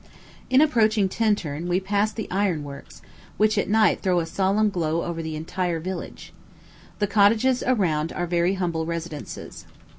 In approaching Tintern, we passed the iron works, which at night throw a solemn glow over the entire village. The cottages around are very humble residences.